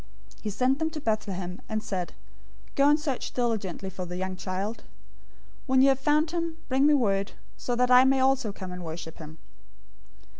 002:008 He sent them to Bethlehem, and said, "Go and search diligently for the young child. When you have found him, bring me word, so that I also may come and worship him."